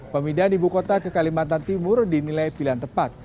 pemindahan ibu kota ke kalimantan timur dinilai pilihan tepat